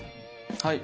はい。